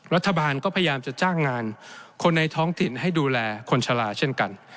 รัฐบาลก็พยายามจะจ้างงานคนในท้องถิ่นให้ดูแลคนชะลาเช่นกัน